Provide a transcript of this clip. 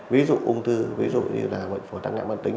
ví dụ ung thư ví dụ như là bệnh phổi tăng nạng bản tính